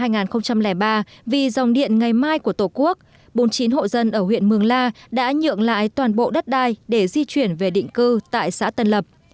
năm hai nghìn ba vì dòng điện ngày mai của tổ quốc bốn mươi chín hộ dân ở huyện mường la đã nhượng lại toàn bộ đất đai để di chuyển về định cư tại xã tân lập